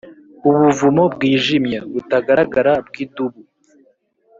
ubuvumo bwijimye butagaragara bwidubu: